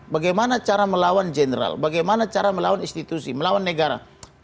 bagaimana cara melawan general bagaimana cara melawan institusi melawan negara